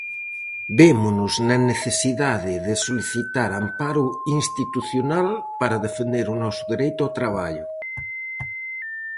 Vémonos na necesidade de solicitar "amparo institucional" para defender o noso dereito ao traballo.